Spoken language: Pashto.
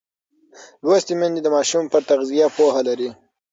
لوستې میندې د ماشوم پر تغذیه پوهه لري.